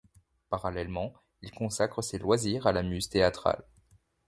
Parallèlement, il consacre ses loisirs à la muse théâtrale.